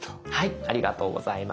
ありがとうございます。